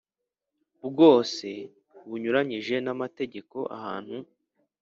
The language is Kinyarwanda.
Bwose bunyuranyije n amategeko ahantu